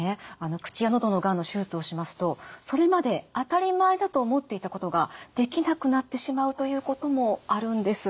口や喉のがんの手術をしますとそれまで当たり前だと思っていたことができなくなってしまうということもあるんです。